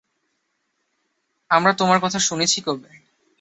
আমরা তোমার কথা শুনেছি কবে?